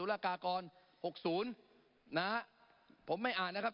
นะฮะผมไม่อ่านนะครับ